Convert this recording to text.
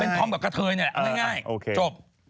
เป็นท้อมกับกระเทยนี่แหละง่ายจบ